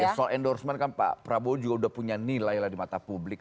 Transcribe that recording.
ya soal endorsement kan pak prabowo juga sudah punya nilai lah di mata publik